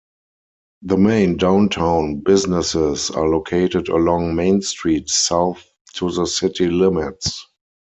The main downtown businesses are located along Main Street south to the city limits.